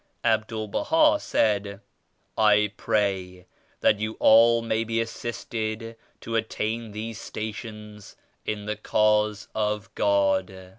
Abdul Baha said, "I pray that you all may be assisted to attain these stations in the Cause of God."